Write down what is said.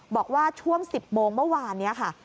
บอกว่าช่วง๑๐โมงเมื่อวานนี้ค่ะ